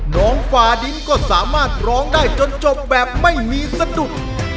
ฟาดินก็สามารถร้องได้จนจบแบบไม่มีสนุก